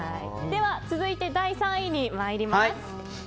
では続いて、第３位に参ります。